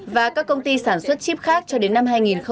và các công ty sản xuất chip khác cho đến năm hai nghìn bốn mươi hai